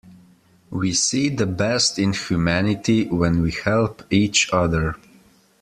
We see the best in humanity when we help each other.